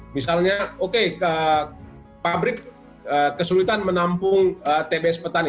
misalnya oke pabrik kesulitan menampung tbs petani